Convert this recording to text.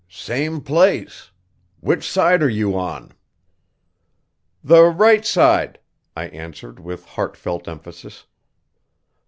"Same place. Which side are you on?" "The right side," I answered with heartfelt emphasis.